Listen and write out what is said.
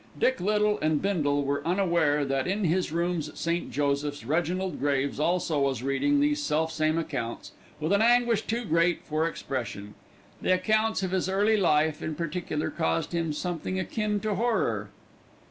Dick Little and Bindle were unaware that in his rooms at St. Joseph's Reginald Graves also was reading these selfsame accounts with an anguish too great for expression. The accounts of his early life in particular caused him something akin to horror.